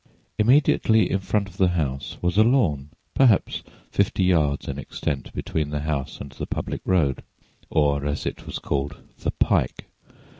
Immediately in front of the house was a lawn, perhaps fifty yards in extent between the house and public road, or, as it was called, the "pike."